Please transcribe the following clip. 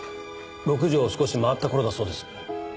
６時を少し回った頃だそうです。